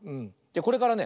これからね